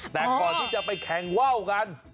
แต่ก่อนที่จะไปแข่งว่าวกัน